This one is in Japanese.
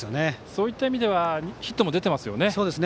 そういった意味ではヒットも出ていますよね。